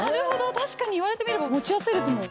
確かに言われてみれば持ちやすいですもん。